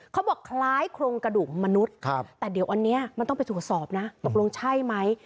เขาบอกคล้ายโครงกระดูกมนุษย์แต่เดี๋ยวอันนี้มันต้องไปตรวจสอบนะตกลงใช่ไหม